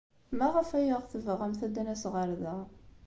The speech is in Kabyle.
Maɣef ay aɣ-tebɣamt ad d-nas ɣer da?